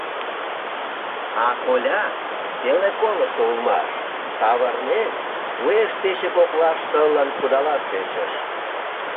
А коля — пеле колышо улмаш — савырнен, уэш пече коклаш шылын кудалаш тӧчыш.